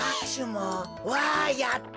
わいやった！